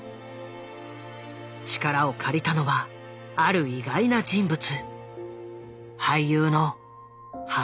力を借りたのはある意外な人物。